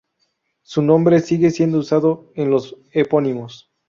Su nombre sigue siendo usado en los epónimos.